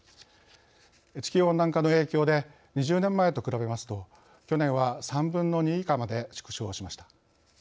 地球温暖化の影響で２０年前と比べますと去年は３分の２以下まで縮小しました。